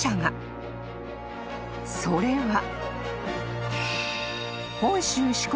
［それは］